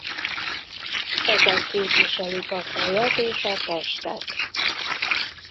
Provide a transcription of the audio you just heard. Ezek képviselik a fejet és a testet.